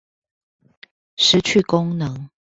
失去功能